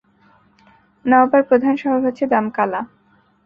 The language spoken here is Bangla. নওবার প্রধান শহর হচ্ছে দামকালা।